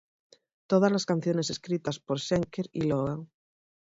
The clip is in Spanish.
Todas las canciones escritas por Schenker y Logan.